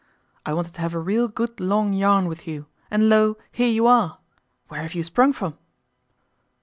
I wanted to have a real good long yarn with you, and lo! here you are! Where have you sprung from?